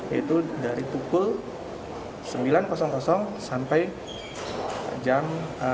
yaitu dari pukul sembilan sampai jam lima belas